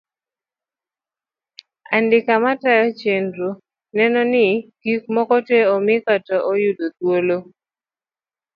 Andika matayo chenro neno ni gik moko tee omi kata oyudo thuolo.